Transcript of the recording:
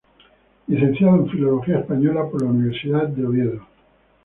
Licenciado en Filología Española por la Universidad de Oviedo.